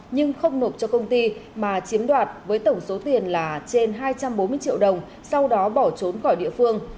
nhưng không nộp cho công ty mà chiếm đoạt với tổng số tiền là trên hai trăm bốn mươi triệu đồng sau đó bỏ trốn khỏi địa phương